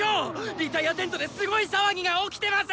リタイアテントですごい騒ぎが起きてます！